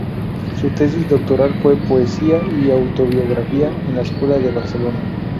Su tesis doctoral fue "Poesía y autobiografía en la Escuela de Barcelona.